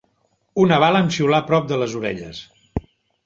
Una bala em xiulà prop de les orelles